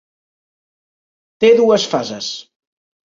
Té dues fases.